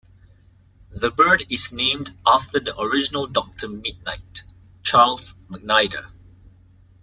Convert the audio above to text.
The bird is named after the original Doctor Mid-Nite, Charles McNider.